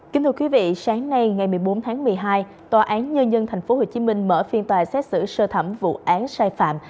kính thưa quý vị sáng nay ngày một mươi bốn tháng một mươi hai tòa án nhân dân tp hcm mở phiên tòa xét xử sơ thẩm vụ án sai phạm